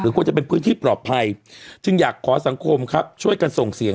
ควรจะเป็นพื้นที่ปลอดภัยจึงอยากขอสังคมครับช่วยกันส่งเสียง